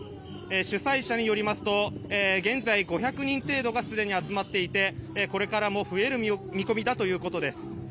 主催者によりますと現在、５００人程度がすでに集まっていてこれからも増える見込みだということです。